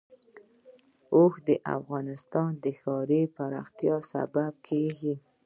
اوښ د افغانستان د ښاري پراختیا سبب کېږي.